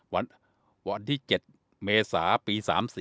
วันที่๗เมษาปี๓๔